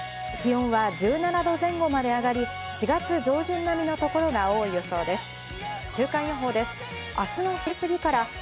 気温は１７度前後まで上がり、４月上旬並みの所が多い予想です。